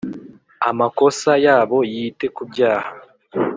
Amakosa yabo yite ku byaha